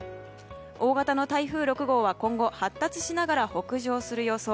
大型の台風６号は今後発達しながら北上する予想。